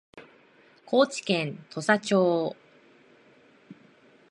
高知県土佐町